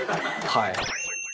はい。